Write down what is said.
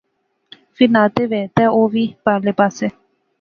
فیر ناطے وہے تہ او وی پارلے پاسے